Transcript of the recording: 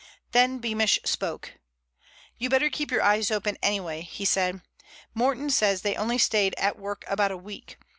Then Beamish spoke: "You'd better keep your eyes open anyway," he said. "Morton says they only stayed at work about a week.